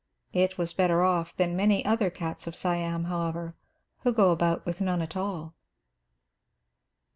It was better off than many other cats of Siam, however, who go about with none at all.